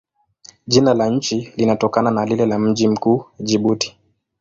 Jina la nchi linatokana na lile la mji mkuu, Jibuti.